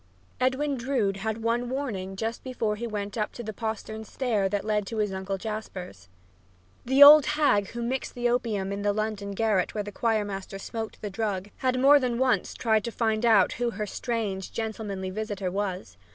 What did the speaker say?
Edwin Drood had one warning just before he went up the postern stair that led to his Uncle Jasper's. The old hag who mixed the opium in the London garret where the choir master smoked the drug, had more than once tried to find out who her strange, gentlemanly visitor was.